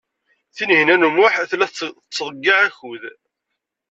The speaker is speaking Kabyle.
Tinhinan u Muḥ tella tettḍeyyiɛ akud.